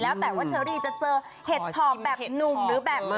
แล้วแต่ว่าเชอรี่จะเจอเห็ดถอบแบบหนุ่มหรือแบบนี้